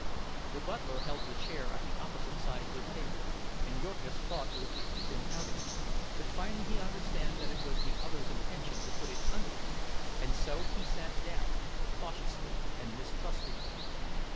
The butler held the chair at the opposite side of the table, and Jurgis thought it was to keep him out of it; but finally he understand that it was the other's intention to put it under him, and so he sat down, cautiously and mistrustingly.